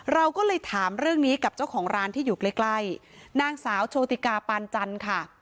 เราก็เลยถามเรื่องนี้กับเจ้าของร้านที่อยู่ใกล้ใกล้นางสาวโชติกาปานจันทร์ค่ะ